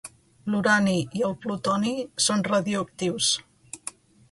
L'urani i el plutoni son radioactius.